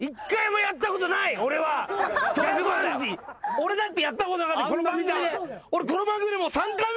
俺だってやったことなかったこの番組で。